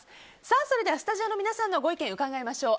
それでは、スタジオの皆さんの意見を伺いましょう。